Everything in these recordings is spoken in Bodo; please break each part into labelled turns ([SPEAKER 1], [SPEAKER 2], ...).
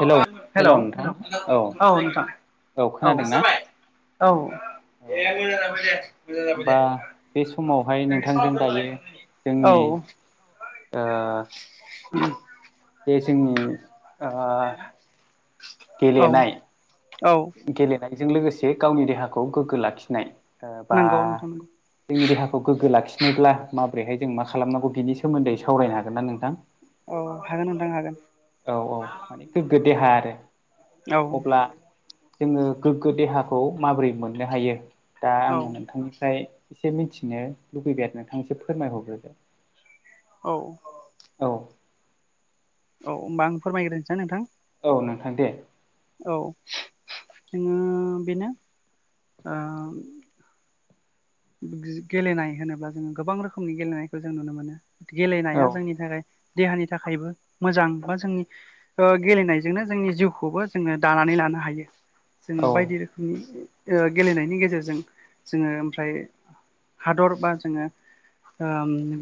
[SPEAKER 1] हेलौ
[SPEAKER 2] हेल' औ
[SPEAKER 1] हेलौ नोंथां औ
[SPEAKER 2] नोंथां औ। औ।
[SPEAKER 1] औ होमबा बे समावहाय नोंथांजों दायो
[SPEAKER 2] [inaudible]
[SPEAKER 1] जोंनि
[SPEAKER 2] औ।
[SPEAKER 1] ओ बे जोंनि ओ
[SPEAKER 2] औ
[SPEAKER 1] गेलेनाय
[SPEAKER 2] - औ।
[SPEAKER 1] गेलेनायजों लोगोसे गावनि देहाखौ गोग्गो लाखिनाय बा
[SPEAKER 2] नंगौ नोंथां नंगौ
[SPEAKER 1] जोंनि देहाखौ गोग्गो लाखिनोब्ला माबोरैहाय जों मा खालामनांगौ बिनि सोमोन्दै सावरायनो हागोनना नोंथां।
[SPEAKER 2] औ हागोन नोंथां हागोन
[SPEAKER 1] औ - औ गोग्गो देहा आरो
[SPEAKER 2] औ।
[SPEAKER 1] अब्ला जोङो गोग्गो देहाखौ माबोरै मोननो हायो दा
[SPEAKER 2] औ
[SPEAKER 1] आङो नोंथांनिफ्राय एसे मिथिनो लुबैबाय आरो नोंथां एसे फोरमायहरग्रोदो।
[SPEAKER 2] औ।
[SPEAKER 1] औ।
[SPEAKER 2] औ होमबा आं फोरमायग्रोनोसै नोंथां।
[SPEAKER 1] औ नोंथां दे।
[SPEAKER 2] औ जोङो बेनो ओ गेलेनाय होनोब्ला जोङो गोबां रोखोमनि गेलेनायखौ जों नुनो मोनो
[SPEAKER 1] औ
[SPEAKER 2] गेलेनाया जोंनि थाखाय देहानि थाखायबो मोजां बा जोंनि ओ गेलेनाय जोंनो जोंनि जिउखौबो जोङो दानानै लानो हायो
[SPEAKER 1] औ
[SPEAKER 2] जोङो बायदि रोखोम गेलेनायनि गेजेरजों जोङो ओमफ्राय हादर बा जोङो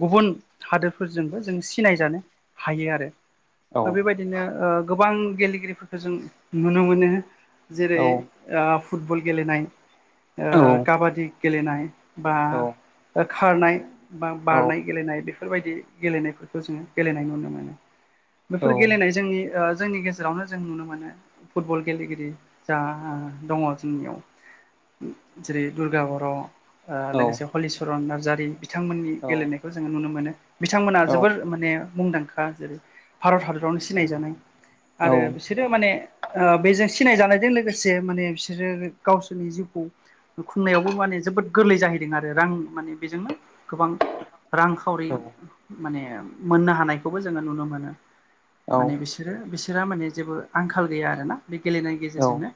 [SPEAKER 2] गुबुन हादोरफोरजोंबो जों सिनायजानो हायो आरो।
[SPEAKER 1] औ
[SPEAKER 2] बेबायदिनो गोबां गेलेगिरिफोरखौ जों नुनो मोनो। जेरै
[SPEAKER 1] औ
[SPEAKER 2] फुटबल गेलेनाय
[SPEAKER 1] औ
[SPEAKER 2] काबादि गेलेनाय। बा
[SPEAKER 1] औ
[SPEAKER 2] खारनाय। बा
[SPEAKER 1] औ
[SPEAKER 2] बारनाय गेलेनाय बेफोर बायदि गेलेनायफोरखौ जोङो गेलेनाय नुनो मोनो। बेफोर गेलेनाय जोंनि जोंनि गेजेराव जेरावनो जों नुनो मोनो फुटबल गेलेगिरि जा दङ जोंनियाव जेरै दुर्गा बर'
[SPEAKER 1] औ
[SPEAKER 2] लोगोसे हलिचरन नार्जारि बिथांमोननि
[SPEAKER 1] औ
[SPEAKER 2] गेलेनायखौ जोङो नुनो मोनो बिथांमोना जोबोर माने मुंदांखा जेरै भारत हादरावनो सिनायजानाय आरो बिसोरो माने बेजों सिनाय जानायजों लोगोसे माने बिसोरो गावसोरनि जिउखौ खुंनायावबो माने जोबोद गोरलै जाहैदों आरो रां माने बेजोंनो गोबां रां खावरि माने मोननो हानायखौबो जोङो नुनो मोनो माने बिसोरो बिसोरहा माने जेबो आंखाल गैया आरोना बे गेलेनायनि गेजेरजोंनो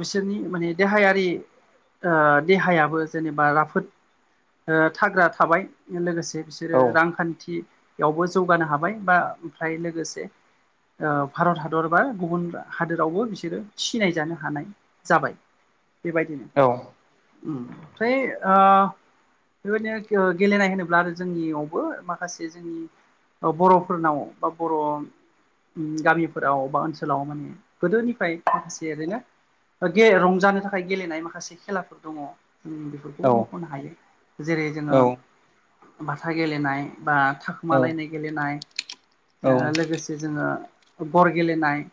[SPEAKER 2] बिसोरनि माने देहायारि देहायाबो जेनेबा राफोद थाग्रा थाबाय लोगोसे
[SPEAKER 1] औ
[SPEAKER 2] बिसोरो रांखान्थि बेयावबो जौगानो हाबाय बा ओमफ्राय लोगोसे भारत हादर बा गुबुन हादोरावबो बिसोरो सिनायजानो हानाय जाबाय बेबायदिनो ओमफ्राय बेबायदिनो गेलेनाय होनोब्ला आरो जोंनियावबो माखासे जोंनि बर'फोरनाव बा बर' गामिफोराव बा ओनसोलाव माने गोदोनिफ्राय माखासे ओरैनो ग रंजानो थाखाय गेलेनाय माखासे खेलाफोर दङ जों बेफोरखौ मख'नो हायो जेरै जोङो बाथा गेलेनाय बा थाखोमालायनाय गेलेनाय लोगोसे जोङो बर गेलेनाय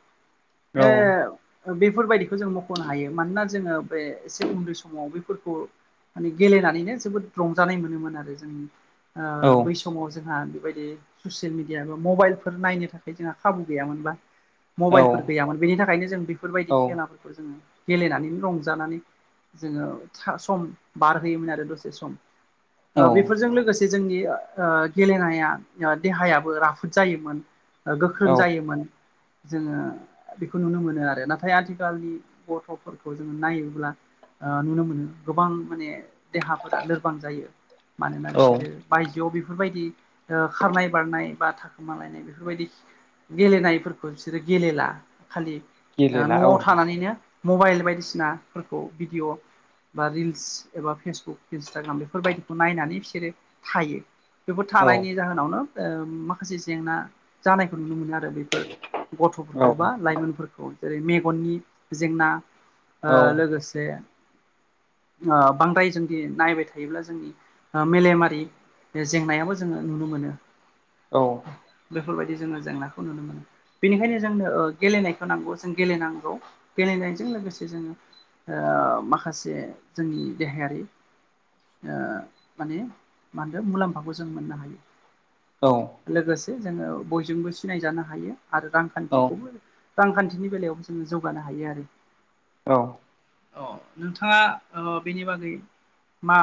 [SPEAKER 2] बेफोरबायाददिखौ जों मख'नो हायो मानोना जोङो बे एसे उन्दै समाव बेफोर म गेलेनानैनो जोबोद रंजानाय मोनोमोन आरो जों बैस समाव जोंहा बेबायदि ससियेल मिडिया बा मबाइलफोर नायनो थाखाय जोंहा खाबु गैयामोनबा मबाइलफोर गैयामोन बेनि थाखायनो जों बेफोरबायदि खेलाफोर बेखौ जोङो गेलेनानैनो रंजानानै जोङो सम बारहोयोमोन आरो दसे सम बेफोरजों लोगोसे जोंनि गेलेनाया देहायाबो राफोद जायोमोन। गोख्रों
[SPEAKER 1] औ
[SPEAKER 2] जायोमोन। जोङो बेखौ नुनो मोनो आरो नाथाय आथिखालनि गथ'फोरखौ जोङो नायोब्ला नुनो मोनो गोबां माने देहाफोरा लोरबां जायो मानोना
[SPEAKER 1] औ
[SPEAKER 2] बिसोरो बायजोआव बेफोरबायदि खारनाय बारनाय बा थाखोमालायनाय बेफोरबायदि गेलेनायफोरखौ बिसोरो गेलेला खालि
[SPEAKER 1] गेलेला औ
[SPEAKER 2] न'आव थानानैनो मबाइल बायदिसिनाफोरखौ भिडिय' बा रिल्स एबा फेसबुक इन्सटाग्राम बेफोरबायदिखौ नायनानै बिसोरो थायो बेफोर
[SPEAKER 1] औ
[SPEAKER 2] थानायनि जाहोनावनो माखासे ओ जेंना जानायखौ नुनो मोनो आरो बेफोर
[SPEAKER 1] औ
[SPEAKER 2] गथ'फोरखौ बा लाइमोनफोरखौ जेरै मेगननि जेंना ओ
[SPEAKER 1] औ
[SPEAKER 2] लोगोसे ओ बांद्राय जों दि नायबाय थायोब्ला जोंनि मेलेमारि जेंनायाबो जोङो नुनो मोनो।
[SPEAKER 1] औ
[SPEAKER 2] बेफोरबायदि जोङो जेंनाखौ नुनो मोनो। बेनिखायनो जोंनो गेलेनायखौ नांगौ जों गेलेनांगौ गेलेनायजों लोगोसे जोङो माखासे जोंनि देहायारि ओ माने मा होनदों मुलाम्फाखौ जों मोननो हायो।
[SPEAKER 1] औ
[SPEAKER 2] लोगोसे जोङो बयजोंबो सिनायजानो हायो आरो
[SPEAKER 1] औ
[SPEAKER 2] रांखान्थिखौबो रांखान्थिनि बेलायावबो जोङो जौगानो हायो आरो
[SPEAKER 1] औ
[SPEAKER 2] अ नोंथाङा ओ बेनि बागै मा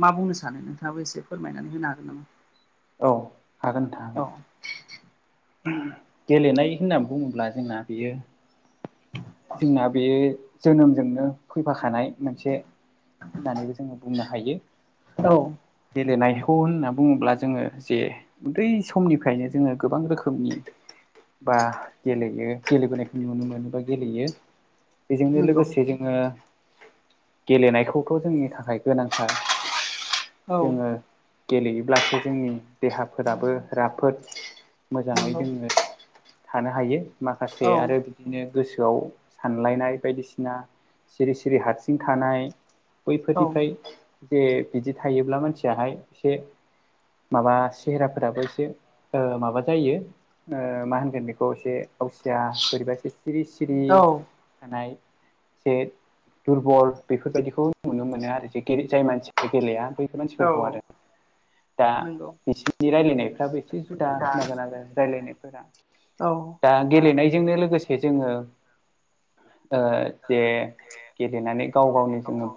[SPEAKER 2] मा बुंनो सानो नोंथाङाबो एसे फोरमायनानै होनो हागोन नामा?
[SPEAKER 1] औ हागोन हागोन उ गेलेनाय होननानै बुङोब्ला जोंना बेयो जोंना बेयो जोनोमजोंनो फैफाखानाय मोनसे होननानैबो जोङो बुंनो हायो
[SPEAKER 2] नामा औ
[SPEAKER 1] गेलेनायखौ होनना बुङोब्ला जोङो जे उन्दै समनिफ्रायनो जोङो गोबां रोखोमनि बा गेलेयो गेलेबोनायखौ नुनो मोनोबा गेलेयो बेजोंनो
[SPEAKER 2] नंगौ
[SPEAKER 1] लोगोसे जोङो गेलेनायखौथ' जोंनि थाखाय गोनांथार
[SPEAKER 2] औ
[SPEAKER 1] जोङो गेलेयोब्लासो जोंनि देहाफोराबो राफोद मोजाङै
[SPEAKER 2] नंगौ
[SPEAKER 1] जोङो थानो हायो माखासे
[SPEAKER 2] औ
[SPEAKER 1] आरो बिदिनो गोसोआव सानलायनाय बायदिसिना सिरि सिरि हारसिं थानाय बैफोरनिफ्राय जे बिदि थायोब्ला मानसियाहाय एसे माबा सेहेराफोराबो एसे ओ माबा जायो ओ मा होनगोन बेखौ एसे अवसिया बोरैबा एसे सिरि सिरि
[SPEAKER 2] औ
[SPEAKER 1] थानाय जे दुरबल बेफोरबायाददिखौ नुनो मोनो आरो जे जाय मानसिया गेलेाया बै
[SPEAKER 2] औ
[SPEAKER 1] मानसिफोरखौ आरो दा
[SPEAKER 2] नंगौ
[SPEAKER 1] बिसिनि रायलायनायफ्राबो एसे जुदा खोनागोन आरो रायज्लायनायफोरा
[SPEAKER 2] औ
[SPEAKER 1] दा गेलेनायजोंनो लोगोसे जोङो ओ जे गेलेनानै गाव गावनि जोङो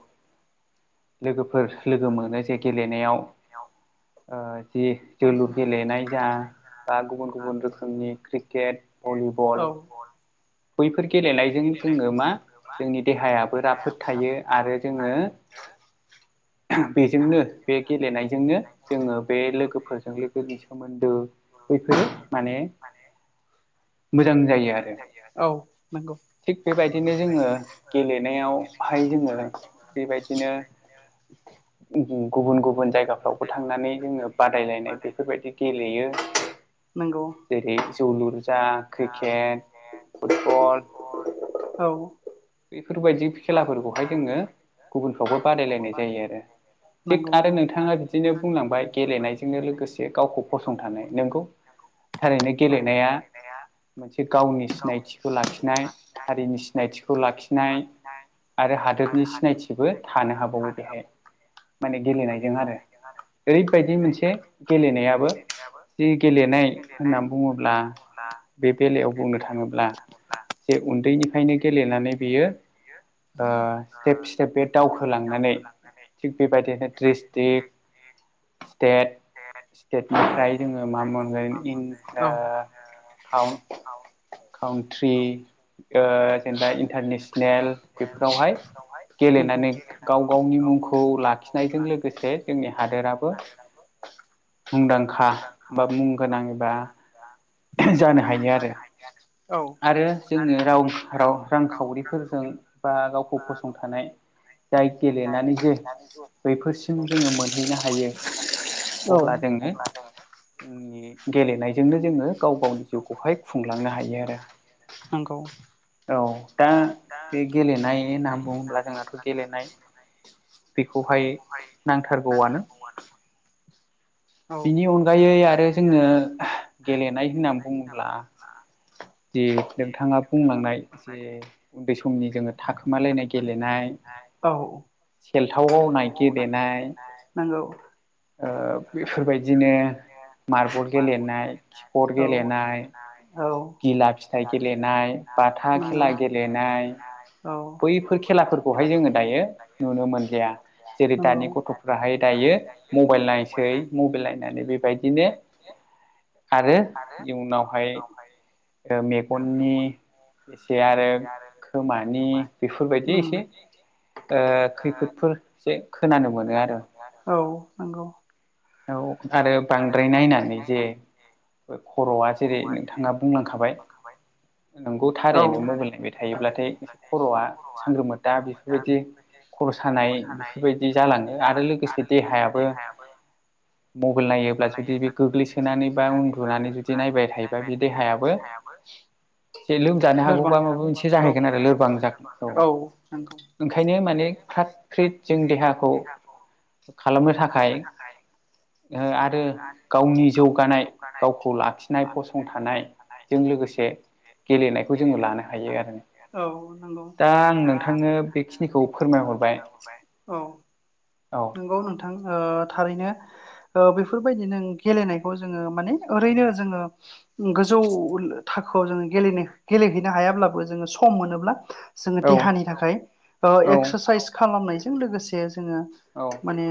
[SPEAKER 1] लोगोफोर लोगो मोनो जे गेलेनायाव
[SPEAKER 2] [unintelligible]
[SPEAKER 1] ओ जि जोलुर गेलेनाय जा बा गुबुन गुबुन रोखोमनि क्रिकेट भलिबल
[SPEAKER 2] औ
[SPEAKER 1] बैफोर गेलेनायजों जोङो मा जोंनि देहायाबो राफोद थायो आरो जोङो बेजोंनो बे गेलेनायजोंनो जोङो बे लोगोफोरजों लोगोनि सोमोन्दो बैफोरो माने मोजां जायो आरो
[SPEAKER 2] औ नंगौ
[SPEAKER 1] थिग बेबायदिनो जोङो गेलेनायावहाय जोङो बेबायदिनो गुबुन गुबुन जायगाफ्रावबो थांनानै जोङो बादायलायनाय बेफोरबायदि गेलेयो
[SPEAKER 2] नंगौ
[SPEAKER 1] जेरै जौ लुरजा क्रिकेट फुटबल
[SPEAKER 2] औ
[SPEAKER 1] बेफोरबायदि खेलाफोरखौहाय जोङो गुबुनफ्रावबो बादायलायनाय जायो आरो थिग
[SPEAKER 2] नंगौ
[SPEAKER 1] आरो
[SPEAKER 2] नंगौ
[SPEAKER 1] नोंथाङा बिदिनो बुंलांबाय गेलेनायजोंनो लोगोसे गावखौ फसंथानाय नोंगौ थारैनो गेलेनाया मोनसे गावनि सिनायथिखौ लाखिनाय हारिनि सिनायथि खौ लाखिनाय आरो हादोरनि सिनायथिबो थानो हाबावो बेहाय माने गेलेनायजों आरो ओरैबायदि मोनसे गेलेनायाबो जि गेलेनाय होननानै बुङोब्ला बे बेलायाव बुंनो थाङोब्ला जे उन्दैनिफ्रायनो गेलेनानै बेयो ओ स्टेप स्टेप बे दावखोलांनानै थिग बेबायदिनो डस्ट्रिक् स्टेट स्टेटनिफ्राय जोङो मा मोनगोन
[SPEAKER 2] औ
[SPEAKER 1] इड हाव काउट्रि जेनेबा इन्टारनेसनेल बेफोरावहाय
[SPEAKER 2] नंगौ
[SPEAKER 1] गेलेनानै गाव गावनि मुंखौ लाखिनायजों लोगोसे जोंनि हादोराबो मुंदांखा बा मुं गोनां एबा जानो हायो आरो
[SPEAKER 2] औ
[SPEAKER 1] आरो जोंनि राव राव रांखावरिफोरजों बा गावखौ फसंथानाय जाय गेलेनानै जे बैफोरसिम जोङो मोनहैनो हायो अब्ला जोङो जोंनि गेलेनायजोंनो जोङो गाव गावनि जिउखौहाय खुंलांनो हायो आरो
[SPEAKER 2] नंगौ
[SPEAKER 1] औ दा बे गेलेनाय होननानै बुङोब्ला जोंनाथ' गेलेनाय बेखौहाय नांथारगौआनो
[SPEAKER 2] औ
[SPEAKER 1] बिनि अनगायै आरो जोंनो गेलेनाय होननानै बुङोब्ला
[SPEAKER 2] ओ
[SPEAKER 1] जे नोंथाङा बुंलांनाय जे उन्दै समनि जोङो थाखोमालायनाय गेलेनाय
[SPEAKER 2] औ
[SPEAKER 1] सेलथावआव नाय गेलेनाय
[SPEAKER 2] नंगौ
[SPEAKER 1] ओ बेफोरबायदिनो मार्बल गेलेनाय किबर्ड
[SPEAKER 2] औ
[SPEAKER 1] गेलेनाय
[SPEAKER 2] औ
[SPEAKER 1] गिला फिथाइ गेलेनाय बाथा
[SPEAKER 2] नंगौ
[SPEAKER 1] खेला गेलेनाय
[SPEAKER 2] औ
[SPEAKER 1] बैफोर खेलाफोरखौहाय जोङो दायो नुनो मोनलिया। जेरै
[SPEAKER 2] नंगौ
[SPEAKER 1] दानि गथ'फ्राहाय दायो मबाइल नायसै मबाइल नायनानै बेबायदिनो आरो इयनावहाय मेगननि एसे आरो खोमानि बेफोरबायदि
[SPEAKER 2] उम
[SPEAKER 1] एसे खैफोदफोर एसे खोनानो मोनो आरो
[SPEAKER 2] औ नंगौ
[SPEAKER 1] औ आरो बांद्राय नायनानै जे बे खर'आ जेरै नोंथाङा बुंलांखाबाय नोंगौ थारैनो मबाइल नायबाय थायोब्लाथाय खर'आ सांग्रोमा दा बेफोरबायदि खर' सानाय बेफोरबायदि जालाङो आरो लोगोसे देहायाबो मबाइल नायोब्ला जुदि बे गोग्लैसोनानै बा उन्दुनानै जुदि नायबाय थायोबा बे देहाय ज लोमजानो हागौबा माबा मोनसे जाहैगोन आरो लोरबां जागोन
[SPEAKER 2] औ नंगौ
[SPEAKER 1] ओंखायनो माने फ्रात फ्रिद जों देहाखौ खालामनो थाखाय आरो गावनि जौगानाय गावखौ लाखिनाय फसंथानाय जों लोगोसे गेलेनायखौ जोङो लानो हायो आरो
[SPEAKER 2] औ नंगौ
[SPEAKER 1] दा आं नोंथांनो बेखिनिखौ फोरमायहरबाय
[SPEAKER 2] औ
[SPEAKER 1] औ
[SPEAKER 2] नोंगौ नोंथां। ओ थारैनो बेफोरबायदिनो गेलेनायखौ जोङो माने ओरैनो जोङो गोजौ थाखोआव जोङो गेलेनो गेलेहैनो हायाब्लाबो जोङो सम मोनोब्ला जोङो
[SPEAKER 1] औ
[SPEAKER 2] देहानि थाखाय
[SPEAKER 1] औ
[SPEAKER 2] एक्सारसाइस खालामनायजों लोगोसे जोङो
[SPEAKER 1] औ
[SPEAKER 2] माने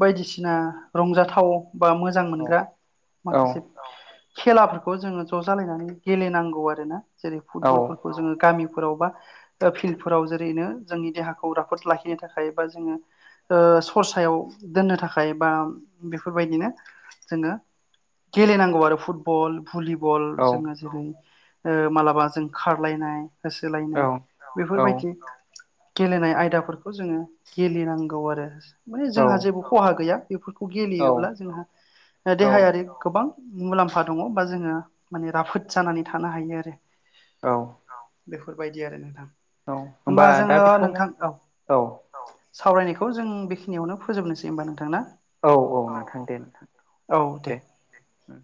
[SPEAKER 2] बायदिसिना रंजाथाव बा मोजां
[SPEAKER 1] औ
[SPEAKER 2] मोनग्रा
[SPEAKER 1] औ
[SPEAKER 2] माखासे खेलाफोरखौ जोङो ज' जालायनानै गेलेनांगौ आरोना जेरै
[SPEAKER 1] औ
[SPEAKER 2] फुटबलफोरखौ खौ जोङो गामिफोरावबा ओ फिल्डफोराव जेरैनो जोंनि देहाखौ राफोद लाखिनो थाखाय बा जोङो सरसायाव दोननो थाखाय बा बेफोरबायदिनो जोङो गेलेनांगौ आरो फुटबल भलिबल जोङो
[SPEAKER 1] औ
[SPEAKER 2] जेरै मालाबा जों खारलायनाय होसोलायनाय बेफोरबायदि गेलेनाय आयदाफोरखौ जोङो गेलेनांगौ आरो। माने जोंहा जेबो खहा गैया बेफोरखौ गेलेयोब्ला जोंहा
[SPEAKER 1] औ
[SPEAKER 2] देहायारि गोबां मुलाम्फा दङ बा जोङो माने राफोद जानानै थानो हायो आरो।
[SPEAKER 1] औ।
[SPEAKER 2] बेफोरबायदि आरो नोंथां
[SPEAKER 1] औ
[SPEAKER 2] होमबा
[SPEAKER 1] दा
[SPEAKER 2] जोङो
[SPEAKER 1] बे समाव
[SPEAKER 2] नोंथां औ। औ सावरायनायखौ जों बेखिनियावनो फोजोबनोसै होम्बा नोंथां ना?
[SPEAKER 1] थां दे नोंथां।
[SPEAKER 2] औ दे।
[SPEAKER 1] उम